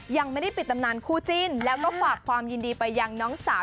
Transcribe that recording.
ยังไม่ได้ปิดตำนานคู่จิ้นแล้วก็ฝากความยินดีไปยังน้องสาว